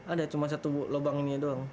ada cuma satu lubang ini doang